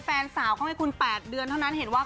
แฟนสาวเขาให้คุณ๘เดือนเท่านั้นเห็นว่า